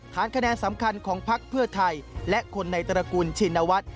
คะแนนสำคัญของพักเพื่อไทยและคนในตระกูลชินวัฒน์